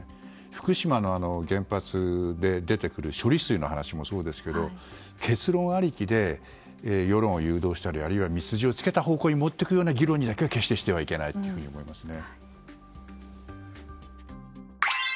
福島の原発で出てくる処理水の話もそうですけど結論ありきで世論を誘導したりあるいは道筋をつけた方向に持っていく議論だけは決してしてはいけないと思いますね。